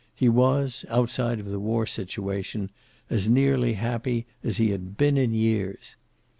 He was, outside of the war situation, as nearly happy as he had been in years.